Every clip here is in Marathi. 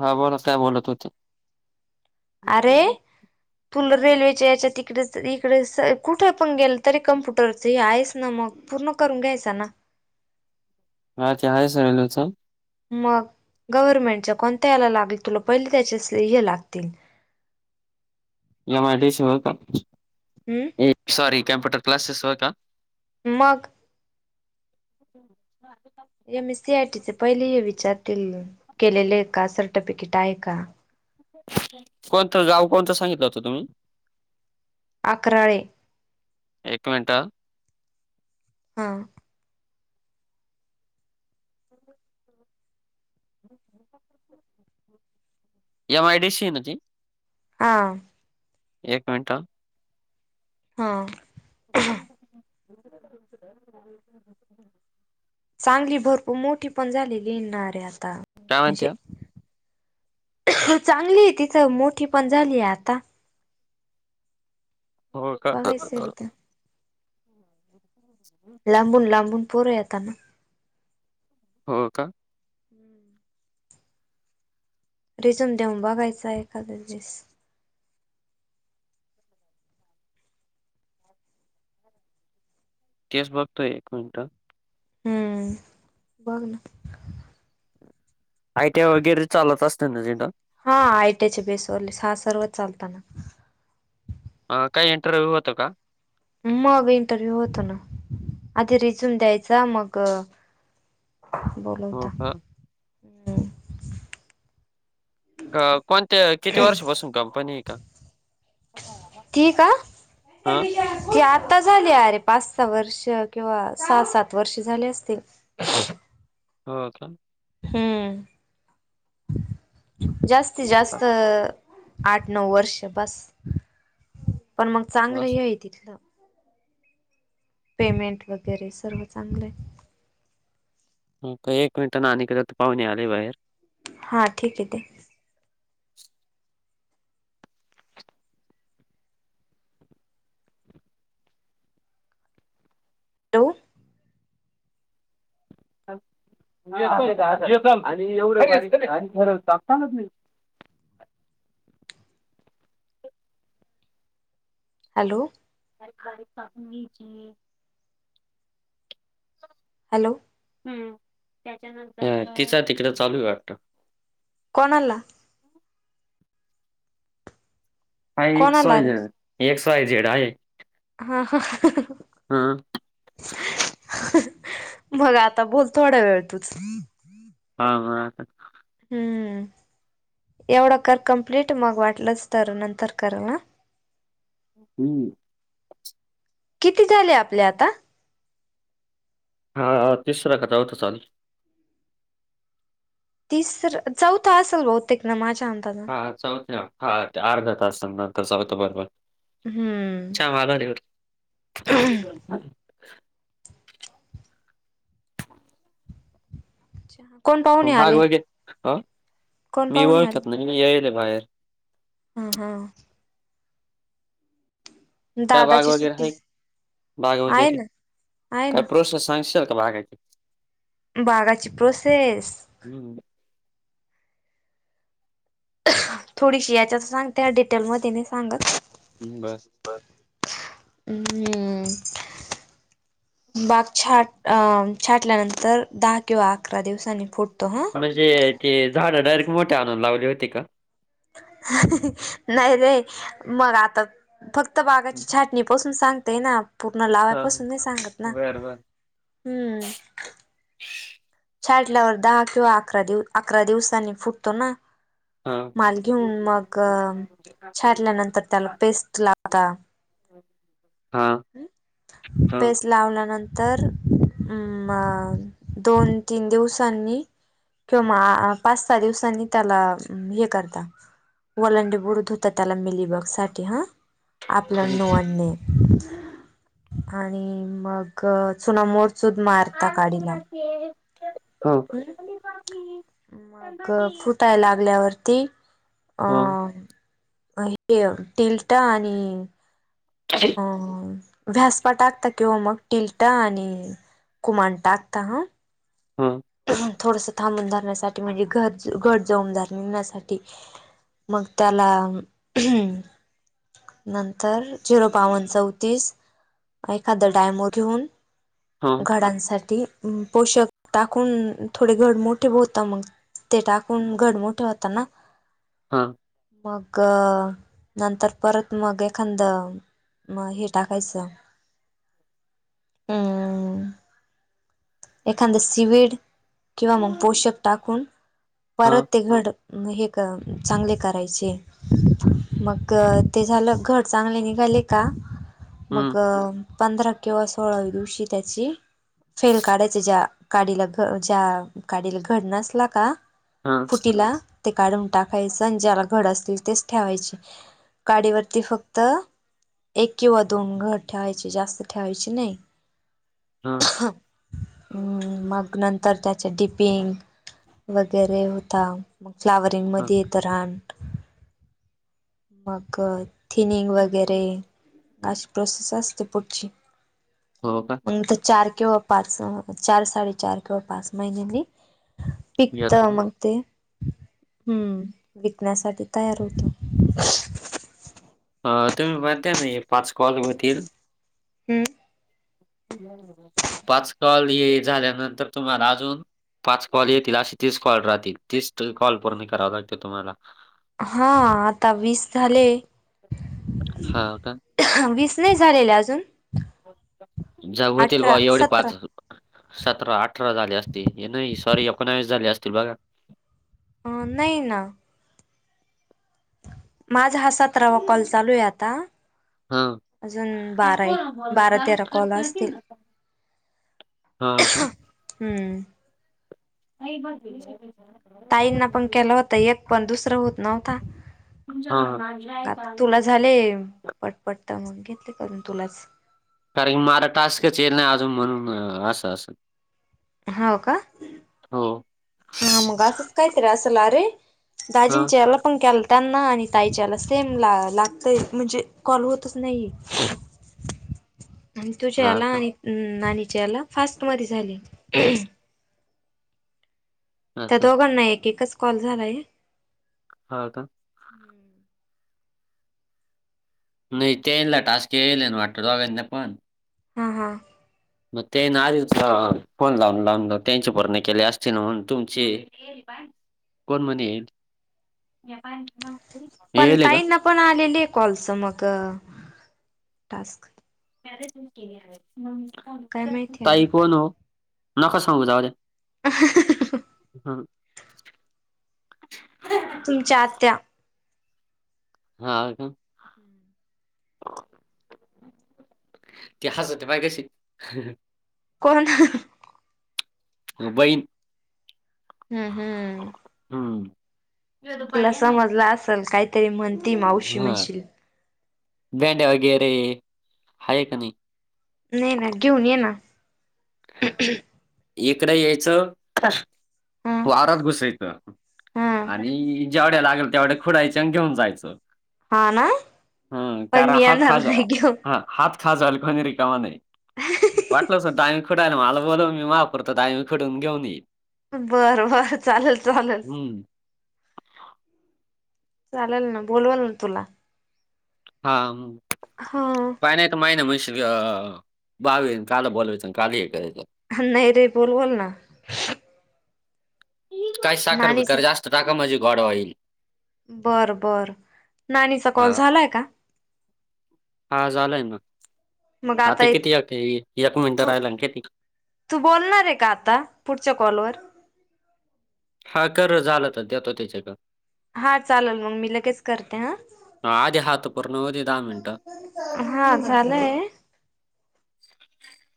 हा बोला काय बोलत होते. अरे तुला रेल्वे चे याच्या तिकडे इकडे कुठे पण गेल तरी कॉम्प्युटर हे आहेच ना मग पूर्ण करून घ्यायचा ना. आरती आहे सरलचं. मग गव्हर्नमेंटच्या कोणत्या याला लागल तु पहिले त्याचे स्ह लागतील. या मा सव का. हम्म. अ सॉरी कॉम्प्युटर क्लासेस होता. मग. [inaudible] या मी सी आय टीचे पहिले विचारतील केलेले का सर्टिफिकेट आहे का? कोणतं जाऊ कोणतं सांगितलं होतं तुम्ही? अकराळे. एक मिनट. हम्म [inaudible] [inaudible] एमआयडीसी आहे ना ती? हा. एक मिनिट. हां. [unintelligible] [unintelligible] सांगली भरपूर मोठी पण झालेली येणारे आता काय म्हणत्या म्हणजे. चांगली आहे तिथं मोठी पण झाली आहे आता. हो का. बघायचं एकदा लांबून लांबून पोरं येता ना हो का. [inaudible] रिझून देऊन बघायचं एखादं दिस. तेस बघतोय एक मिविंट. हम्म बघ ना. आयटीय वगैरे चालत असते ना जिड. हा आयटचे बेसवर्लीस हा सर्वच चालताना. ह काही इंटरव्ह्यू होतो का. मग इंटरव्ह्यू होतो ना आधी रिझ्यूम द्यायचा मग. हो बोलवता. का हम्म अ कोणत्या किती वर्षापासून कंपनी आहे का. ती का. हा ती आता झाली अरे पाच सहा वर्ष किंवा सहा सात वर्ष झाले असतील. हो का. हम्म जास्तीत जास्त. आठ नऊ वर्ष बस पण मग चांगलं मस्त. हे तिथलं. पेमेंट वगैरे सर्व चांगलं आहे. ह का एक मिनिटां ना आणिकडे तर पाहून आले बाहेर. हा ठीक आहे ते. डो [unintelligible] हॅलो. बारीक बारीक कापून न्यायची रे हॅलो. तिचा तिकडं चालू आहे वाटत. कण आणला. हाय एक्स कोणाला वाय रे झेड एक्स वाय झेड आहे. हा हं हं. हा अ हं हं मग आता बोल थोडा वेळ तूच. हा हा. हम्म. एवढं कर कम्प्लीट मग वाटलंच तर नंतर कर ना. हम्म. किती झाले आपले आता? हा ह तिसरा का चौथा चालूय. तिसरं चौथं असेल बहुतेक ना माझ्या अंदाजा हा चौथ हा अर्धा तास नंतर चौथा बरोबर. हम्म. चांगल्या झाडीवर. चहा. म बाग बघत कोण मी पाहुणे आले ओळखत नाही मी यायले बाहेर. हा हा. काय बाघ दादाची वगैरे सुट्टी हाय बाघ आहे वगैरे ना आहे काय ना प्रोसेस सांगशील बागाची. बागाची प्रोसेस. हम्म. थोडीशी याच्यात सांगते ना डिटेल मध्ये नाई सांगत. हं बर. अम्म. बाग छाट अ छाटल्यानंतर दहा किंवा अकरा दिवसांनी फुटतो हं. म्हणजे ते झाडं डायरेक्ट मोठ्या आणून लावली होती का? अ हं हं नाही रे मग आता फक्त बागाची छाट मी पासून सांगतेय ना पूर्ण हा लावायपासून नाही सांगत ना बर बर हम्म. छाटल्यावर दहा किंवा अकरा दिव अकरा दिवसांनी फुटतो ना. हा माल घेऊन मग छाटल्यानंतर त्याला पेस्ट लागता. ह. हं तेच लावल्यानंतर म आ दोन तीन दिवसांनी किंवा म पाच सहा दिवसांनी त्याला हे करता. वलांडी बुड धुता त्याला मिलीबाग साठी हा आपलं नो आणणे. आणि मग चूना मोरचूद मारता काडीला. हे कोण हा हम्म आणि बागी. मग फुटाय लागल्यावरती अ हो म हे तेय टिलटा आणि अ झासपा टाकता किंवा मग टिलटा आणि कुमाण टाकता हं. हां. थोडंसं थांबून धरण्यासाठी म्हणजे घर घर जाऊन धरण्यासाठी. मग त्याला हम. नंतर झिरो बावन चौतीस एखादा डायमो घेवून हो घडांसाठी अ पोषक टाकून थोडे घर मोठे होता मग ते टाकून घर मोठे होता ना. हां. मग नंतर परत मग एखांद मग हे टाकायचं अम. एखाद सिविड किंवा मग पोषक टाकून हो परत ते घड म हे करन चांगले करायचे. मग ते झालं घड चांगले निघाले का मग हं, पंधरा किंवा सोळाव्या दिवशी त्याची फेल काढाय त्यज्या काडीला घ काडीला घड नसला का हं, फुटीला ते काढून टाकायचं आणि ज्याला घड असतील तेच ठेवायचे काडीवरती फक्त एक किंवा दोन घर ठेवायचे जास्त ठेवायचे नाही. हा. मग नंतर त्याचे डिपिंग वगैरे होता मग फ्लावर ते हं. मधे येत रान मग थिनिंग वगैरे त अशी प्रोसेस असते पुढची. हो का. नंतर चार किंवा पाच चार साडे चार किंवा पाच महिन्यांनी पिकत येतो का? मग ते. हम्म विकण्यासाठी तयार होतो. अ तुम्ही म्हणताय ना हे पाच कॉल होतील. हम्म. पाच कॉल हे झाल्यानंतर तुम्हाला अजून पाच कॉल येतील अशी तीस कॉल राहतील तीस तरी कॉल पूर्ण कराव लागते तुम्हाला. हा आता वीस झाले. हां का? वीस नाही झालेले अजून. जव होतील अठरा बा एवढे सतरा पाच सतरा अठरा झाले असते हे नाही सॉरी एकोणावीस झाले असते बघा. अ नाही ना. माझा हा सतरावा कॉल चालू आहे आता. हां, अजून बारा आयेत बारा तेरा कॉल असतील. हा का. हम्म. नाही बघ. ताईंना पण केला होता एक पण दुसरं होत नव्हता. म आता तुला झाले पटपट तर मग घेतले करून तुलाच. कारण की मरा टास्कच येल नाही अजून म्हणून म असं असंल. हाव का. हो. हा मग असचं काय तरी असल आरे हां. दाजींनंच्या याला पण केला त्यांना आणि ताईच्या याला सेम ला लागतय म्हणजे कॉल होतच नाही. आणि तुझ्या हां याला का? आणि नाणीच्या याला फास्ट मध्ये झाले. त्या असं. दोघांना एक एकच कॉल झालाय आ. हा का. हम्म. नाही त्यनला टास्क यायले ना वाटतं दोघांना पण. हा हा. मग ते आहे ना आधी फोन लावून लावून त्यांची पूर्ण केली असतील ना म्हणून तुमचे कोण म्हणे येईल. पण येईल का ताईंना पण आलेले कॉल्स मग टास्क. काय माहिती आहे ताई कोण ओ नका सांगू जावू द्या. अ हं. हम. तुमच्या आत्या. हा का. हम्म. ती हसते पाय कशी अ हं हं. कोण अ हं. म बईन हम्म हम. हम्म. तिला समजल असल काहीतरी म्हणती मावशी मिशील. बँड्या वगैरे हाय का नाही. नाही ना घेऊन ये ना हम हम्म. एकडं यायचं ह वावरात घुसायचं हा आणि जेवढ्या लागल तेवढ्या खुडयच्या आणि घेऊन जायचं. हा ना हम्म पण कारण मी हाच येणार फायदाय नाही घेऊन हा. हात खाजायले कोणी रिकामा नाही वाटलंस तर टाइम खुटायले मला बोल तुम्ही वापरतात आमही पूढून घेऊन येईन. बरं बर चाललं चाललं. हम्म. चाललं ना बोलवलं ना तुला. हा म हा पाय ना आता मायना म यावी अ बावीन काल बोलायच आण काली हे करायचं. हा नाही रे बोलवल ना. काय साखर नाणीचा बिकर जास्त टाका म्हतजी गॉड होईल. बर बर नानीचा कॉल झालाय का? हा झालंय ना आता किती य एक मिनिटं तू राहिलाय ना किती. तू बोलणारयं का आता पुढच्या कॉलवर. हा कर झालं तर देतो त्याच्याकडं. हा चालल मग मी लगेच करते हा. हा आधी हात उपर न देता अम. हा झालंय.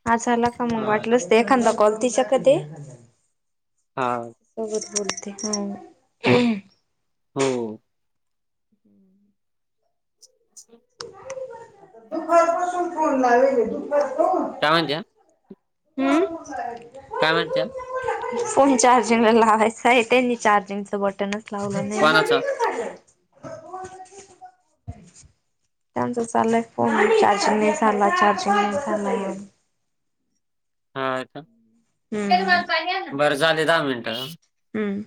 हा झाला का मंग हां, वाटलच ते एखादा कॉल तिच्याकड दे. हां. सोबत बोलते ह. हो. दुपार पासून फोन लावायले दुपार पासून. काय म्हणतिया. अं. काय म्हणच्याल. फोन चार्जिंगला लावायचाय त्यांनी चार्जिंगचं बटनच लावलं नाही. कोणाचा? त्यांचा चाललाय फोन चार्जिंग नाही झाला चार्जिंग नाही झाला. हाय का हम्म बर झाले दहा मिनटं. हम्म.